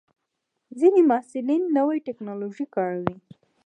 ځینې محصلین د نوې ټکنالوژۍ کاروي.